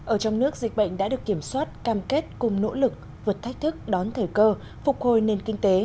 ở trong nước dịch bệnh đã được kiểm soát cam kết cùng nỗ lực vượt thách thức đón thời cơ phục hồi nền kinh tế